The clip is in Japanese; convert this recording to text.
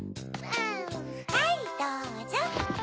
はいどうぞ。